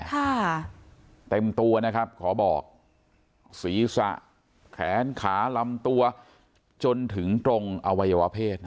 ค่ะเต็มตัวนะครับขอบอกศีรษะแขนขาลำตัวจนถึงตรงอวัยวะเพศนะ